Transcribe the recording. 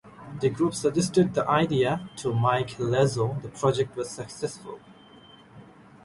The group suggested the idea to Mike Lazzo; the project was successful.